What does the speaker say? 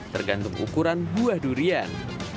tergantung ukuran buah durian